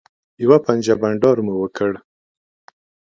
یوه پنجه بنډار مو وکړ.